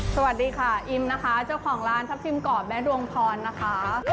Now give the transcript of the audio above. สวัสดีค่ะอิมนะคะเจ้าของร้านทัพทิมกรอบแม่ดวงพรนะคะ